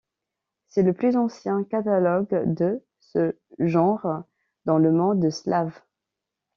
C’est le plus ancien catalogue de ce genre dans le monde slave.